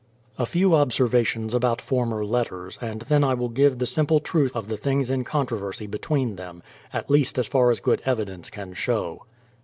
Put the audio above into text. A few observations about former letters, and then I will give the simple truth of the things in controversy be tween them — at least as far as good evidence can show.